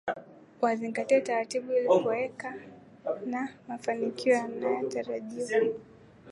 Wazingatie taratibu ili kuwe na mafanikio yanayotarajiwa